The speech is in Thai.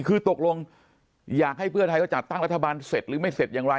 คือตกลงอยากให้เพื่อไทยเขาจัดตั้งรัฐบาลเสร็จหรือไม่เสร็จอย่างไร